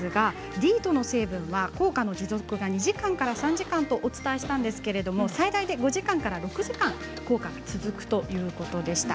ディートの成分は効果の持続が２時間から３時間とお伝えしましたが最大で５時間から６時間効果が続くということです。